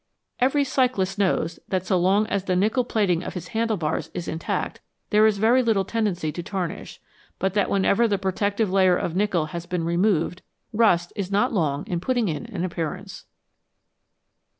Every cyclist knows that so long as the nickel plating of his handle bars is intact there is very little tendency to tarnish, but that wherever the protective layer of nickel has been removed rust is not long in putting in an appearance.